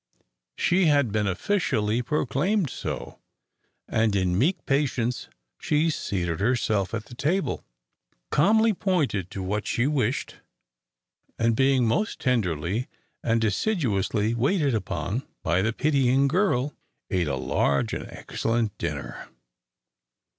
She had been officially proclaimed so, and in meek patience she seated herself at the table, calmly pointed to what she wished, and, being most tenderly and assiduously waited upon by the pitying girl, ate a large and excellent dinner.